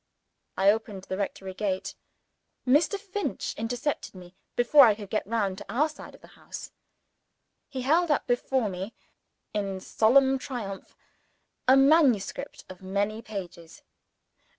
I opened the rectory gate. Mr. Finch intercepted me before I could get round to our side of the house. He held up before me, in solemn triumph, a manuscript of many pages.